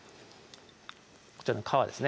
こちらの皮ですね